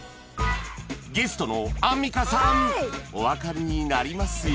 ゲストのアンミカさんおわかりになりますよね？